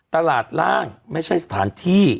ตลาดร่างไม่ใช่สถานที่